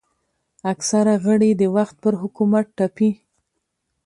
اکثره غړي د وخت پر حکومت تپي